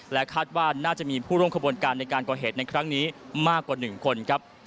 คาดว่าน่าจะมีผู้ร่วมขบวนการในการก่อเหตุในครั้งนี้มากกว่า๑คนครับ